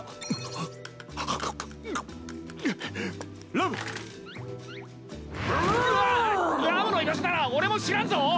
ラムの居場所なら俺も知らんぞ！